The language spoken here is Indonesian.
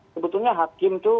sebetulnya hakim itu